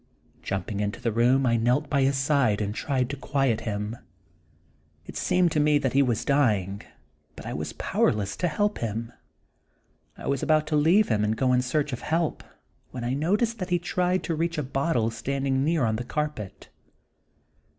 Jumping into the room I knelt by his side and tried to quiet him. It seemed to me that he was dying, but I was powerless to help him. I was about to leave him and go in search of help, when I noticed that he tried to reach a bottle standing near on the carpet.